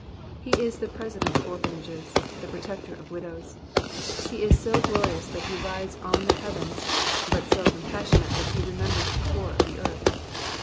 He is the President of Orphanages, the Protector of Widows. He is so glorious that he rides on the heavens, but so compassionate that he n members the poor of the earth.